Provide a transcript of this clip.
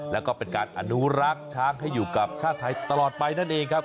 แล้วก็เป็นการอนุรักษ์ช้างให้อยู่กับชาติไทยตลอดไปนั่นเองครับ